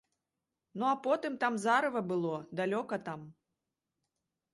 Ну а потым там зарыва было, далёка там.